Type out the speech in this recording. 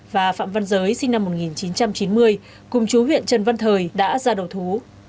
và phạm văn giới sinh năm một nghìn chín trăm chín mươi cùng chú huyện trần văn thời đã ra đầu thú